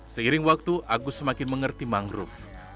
seiring waktu agus semakin mengerti mangrove